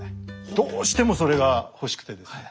どうしてもそれが欲しくてですね